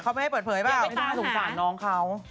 เขาไม่ให้เปิดเผยหรือเปล่าเดี๋ยวไปท่าสงสารน้องเขา